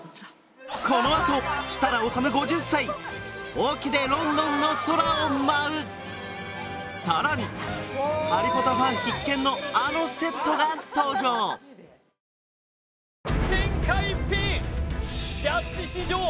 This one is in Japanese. このあと設楽統５０歳ほうきでロンドンの空を舞うさらにハリポタファン必見のあのセットが登場ハァ。